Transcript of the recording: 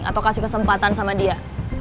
atau kasih kesempatan sama dia